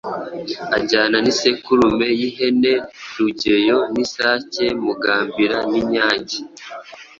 Ajyana n'isekurume y'ihene Rugeyo n'isake Mugambira n'inyange.